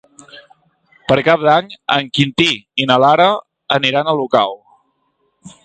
Per Cap d'Any en Quintí i na Lara aniran a Olocau.